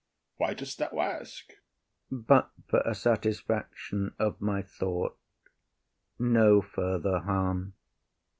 Why dost thou ask? IAGO. But for a satisfaction of my thought. No further harm.